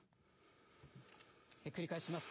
繰り返します。